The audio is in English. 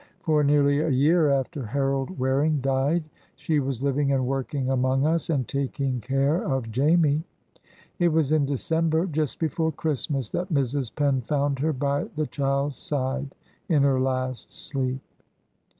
For nearly a year after Harold Waring died she was living and working among us, and taking care of Jamie. It was in December just before Christmas that Mrs. Penn found her by the child's side in her last sleep."